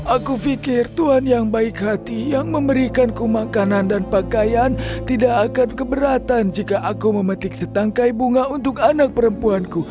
aku pikir tuhan yang baik hati yang memberikanku makanan dan pakaian tidak akan keberatan jika aku memetik setangkai bunga untuk anak perempuanku